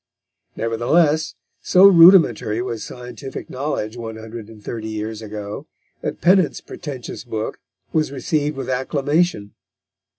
Nevertheless, so rudimentary was scientific knowledge one hundred and thirty years ago, that Pennant's pretentious book was received with acclamation.